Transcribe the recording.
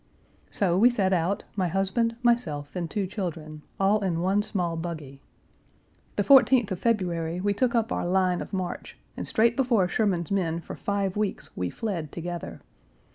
So we set out, my husband, myself, and two children, all in one small buggy. The 14th of February we took up our line of march, and straight before Sherman's men for five weeks we fled together.